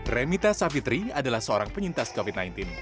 remita savitri adalah seorang penyintas covid sembilan belas